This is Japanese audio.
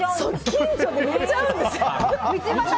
近所でめっちゃ会うんですよ。